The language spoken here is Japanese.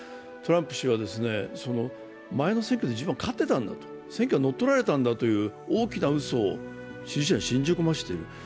トランプ氏は前の選挙で自分は勝っていたんだと選挙が乗っ取られたんだという大きなうそを支持者に信じ込ませている。